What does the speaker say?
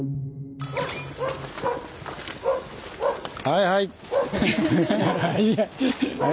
はいはい。